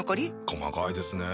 細かいですね。